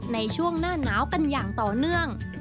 ในช่วงหน้าหนาวกันอย่างต่อเนื่อง